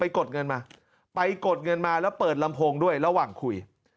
กดเงินมาไปกดเงินมาแล้วเปิดลำโพงด้วยระหว่างคุย